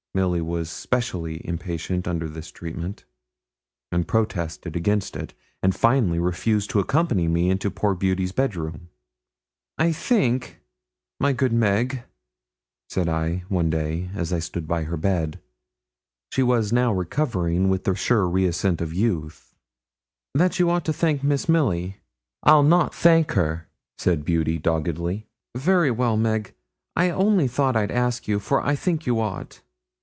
Milly was specially impatient under this treatment, and protested against it, and finally refused to accompany me into poor Beauty's bed room. 'I think, my good Meg,' said I one day, as I stood by her bed she was now recovering with the sure reascent of youth 'that you ought to thank Miss Milly.' 'I'll not thank her,' said Beauty, doggedly. 'Very well, Meg; I only thought I'd ask you, for I think you ought.'